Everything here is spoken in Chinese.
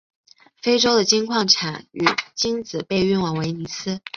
非洲的金矿产出金子被运往威尼斯。